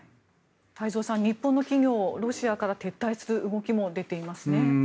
太蔵さん日本の企業がロシアから撤退する動きも出ていますね。